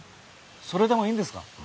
それでもいいんですか？